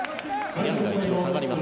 ニャンが一度下がります。